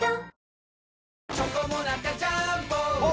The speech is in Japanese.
チョコモナカジャーンボを！